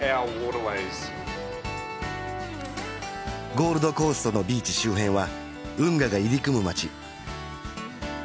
ゴールドコーストのビーチ周辺は運河が入り組む街